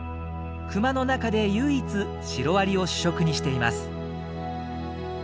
クマの中で唯一シロアリを主食にしています。